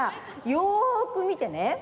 よくみてね。